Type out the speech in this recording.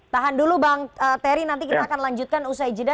tahan dulu bang terry nanti kita akan lanjutkan usai jeda